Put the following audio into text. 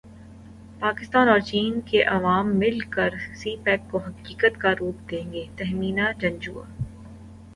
پاکستان اور چین کے عوام مل کر سی پیک کو حقیقت کا روپ دیں گے تہمینہ جنجوعہ